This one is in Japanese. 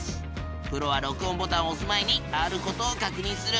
プロは録音ボタンをおす前にあることを確認する。